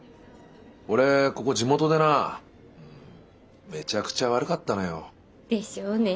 俺ここ地元でなめちゃくちゃワルかったのよ。でしょうね。